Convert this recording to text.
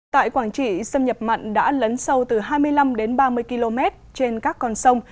tại quảng trị xâm nhập mặn đã lấn sâu từ hai mươi năm đến ba mươi km trên các con sông